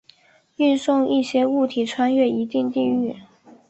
运送一些物体穿越一定地域。